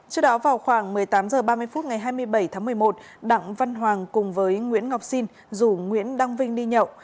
trước đó vào khoảng một mươi tám h ba mươi phút ngày hai mươi bảy tháng một mươi một đặng văn hoàng cùng với nguyễn ngọc sinh rủ nguyễn đăng vinh đi nhậu